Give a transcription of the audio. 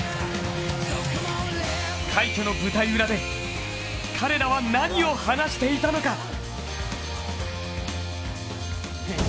快挙の舞台裏で彼らは何を話していたのか。